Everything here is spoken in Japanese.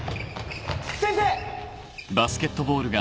・先生！